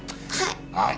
はい。